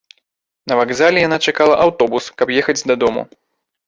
На вакзале яна чакала аўтобус, каб ехаць дадому.